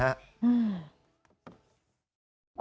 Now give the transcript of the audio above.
หื้ม